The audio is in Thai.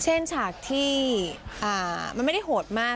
ฉากที่มันไม่ได้โหดมาก